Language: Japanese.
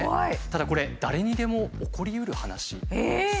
ただこれ誰にでも起こりうる話なんです。